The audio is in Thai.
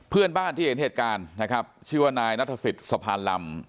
เพื่อนบ้านที่เห็นเหตุการณ์นะครับชื่อว่านายนัทศิษย์สะพานลำ